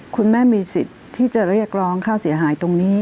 คุณแม่มีสิทธิ์ที่จะเรียกร้องค่าเสียหายตรงนี้